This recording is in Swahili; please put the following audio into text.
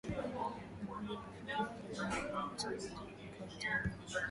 na Umoja wa Afrika wakionya kuwa nchi hiyo iko hatarini